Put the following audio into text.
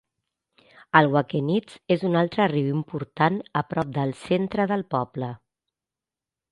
El Wakenitz és un altre riu importat a prop del centre del poble.